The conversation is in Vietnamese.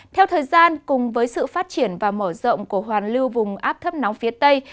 theo thời gian cùng với sự phát triển và mở rộng của hoàn lưu vùng áp thấp nóng phía tây